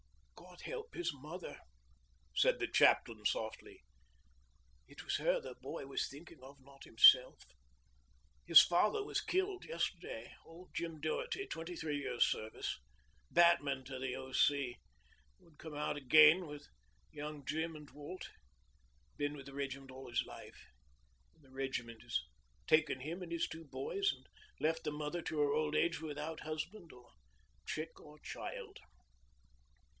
'God help his mother!' said the chaplain softly. 'It was her the boy was thinking of not himself. His father was killed yesterday old Jim Doherty, twenty three years' service; batman to the O.C.; would come out again with young Jim and Walt. Been with the Regiment all his life; and the Regiment has taken him and his two boys, and left the mother to her old age without husband or chick or child.'